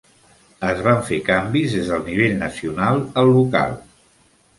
Es van fer canvis des del nivell nacional al local.